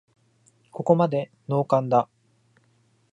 ここまでノーカンだ